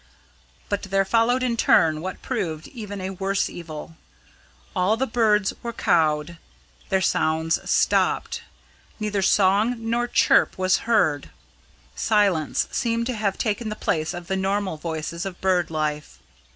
But there followed in turn what proved even a worse evil. All the birds were cowed; their sounds stopped. Neither song nor chirp was heard silence seemed to have taken the place of the normal voices of bird life.